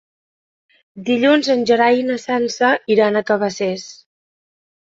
Dilluns en Gerai i na Sança iran a Cabacés.